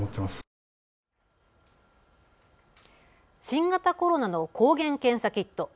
新型コロナの抗原検査キット。